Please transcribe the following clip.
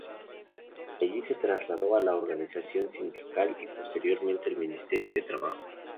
De allí se trasladó a la Organización Sindical y posteriormente al Ministerio de Trabajo.